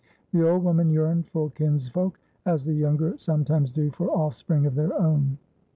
The old woman yearned for kinsfolk, as the younger sometimes do for offspring of their own.